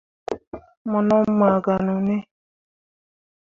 Mo no maa ganoni.